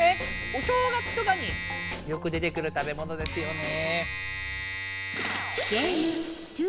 お正月とかによく出てくるたべものですよね。